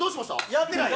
やってないよ。